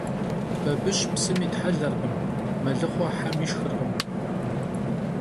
Babış psım yithelerkhım, melıxhue hem yişşxırkhım.